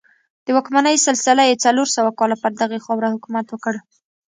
د واکمنۍ سلسله یې څلور سوه کاله پر دغې خاوره حکومت وکړ